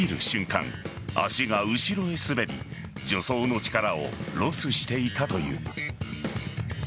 瞬間足が後ろへ滑り助走の力をロスしていたという。